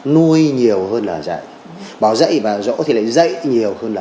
nuôi nhiều hơn là dạy bảo dạy và dỗ thì lại dạy nhiều hơn là dỗ